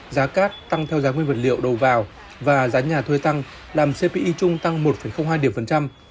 giá cát tăng theo giá nguyên vật liệu đầu vào và giá nhà thuê tăng làm cpi chung tăng một hai điểm phần trăm